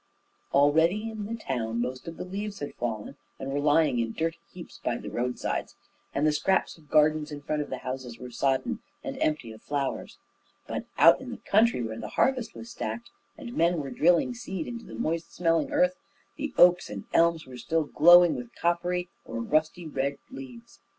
Already in the town most of the leaves had fallen, and were lying in dirty heaps by the roadside, and the scraps of gardens in front of the houses were sodden and empty of flowers. But out in the country, where the harvest was stacked, and men were drilling seed into the moist smelling earth, the oaks and elms were still glowing with coppery or rusty red leaves.